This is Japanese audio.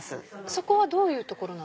そこはどういう所なんですか？